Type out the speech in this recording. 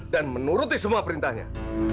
dan menuruti semua perintahnya